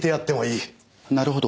なるほど。